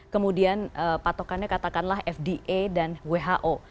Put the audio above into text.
kemudian patokannya katakanlah fda dan who